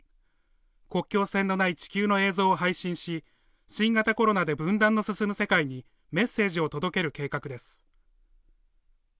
国境線のない地球の映像を配信し新型コロナで分断の進む世界にメッセージを届ける計画です。